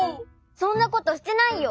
そんなことしてないよ！